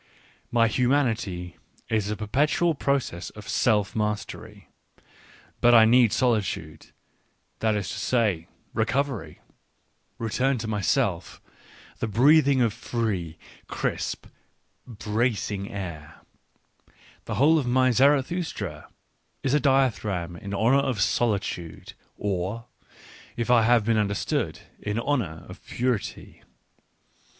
... My humanity is a perpetual process of self mastery .J But I need solitude — that is to say, recovery, Digitized by Google 26 ECCE HOMO return to myself, the breathing of free, crisp, brac ing air. ... The whole of my Zarathustra is a dithyramb in honour of solitude, or, if I have been understood, in honour of purity.